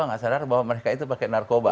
nggak sadar bahwa mereka itu pakai narkoba